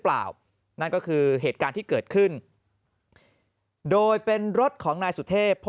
นั่นก็คือเหตุการณ์ที่เกิดขึ้นโดยเป็นรถของนายสุเทพ